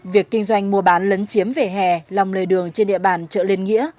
việc kinh doanh mua bán lấn chiếm vỉa hè lòng lề đường trên địa bàn chợ liên nghĩa